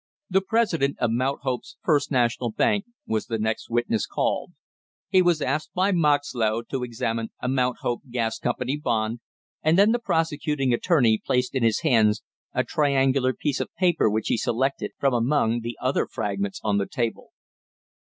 The president of Mount Hope's first national bank was the next witness called. He was asked by Moxlow to examine a Mount Hope Gas Company bond, and then the prosecuting attorney placed in his hands a triangular piece of paper which he selected from among the other fragments on the table.